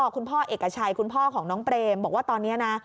พ่อเอกชัยคุณพ่อของน้องเปรมบอกว่าตอนนี้นะ